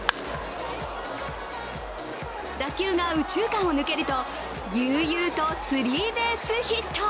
打球が右中間を抜けると悠々とスリーベースヒット。